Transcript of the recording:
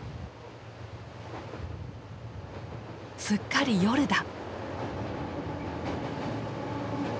すっかり夜だ。